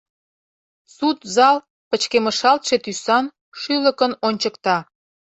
Суд зал пычкемышалтше тӱсан, шӱлыкын ончыкта.